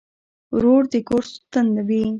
ورور د کور ستن وي.